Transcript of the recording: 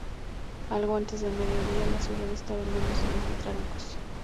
Algo antes del mediodía, la ciudad estaba en manos de los británicos.